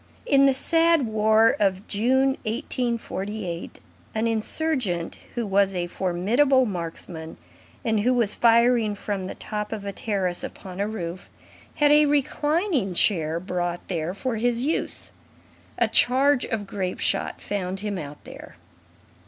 In the sad war of June, 1848, an insurgent who was a formidable marksman, and who was firing from the top of a terrace upon a roof, had a reclining chair brought there for his use; a charge of grape shot found him out there.